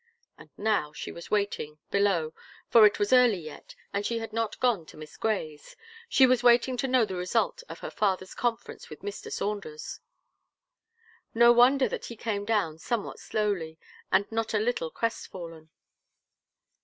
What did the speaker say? And now she was waiting, below, for it was early yet, and she had not gone to Miss Gray's she was waiting to know the result of her father's conference with Mr. Saunders. No wonder that he came down somewhat slowly, and not a little crest fallen.